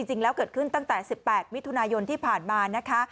จริงแล้วเกิดขึ้นตั้งแต่๑๘มิถุนายนที่ผ่านมานะคะ